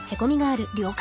了解。